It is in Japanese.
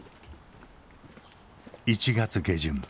１月下旬。